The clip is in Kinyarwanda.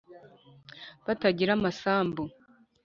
batagira amasambu